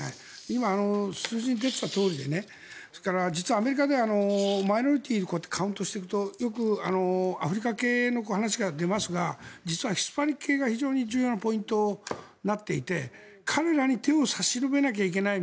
今、数字に出ていたとおりで実はアメリカではマイノリティーにカウントしていくとよくアフリカ系の話が出ますが実は、ヒスパニック系が非常に重要なポイントになっていて彼らに手を差し伸べなきゃいけない。